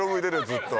ずっと。